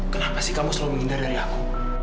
kenapa sih kamu selalu menghindari aku